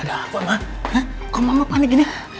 ada apa ma kok mama panik gini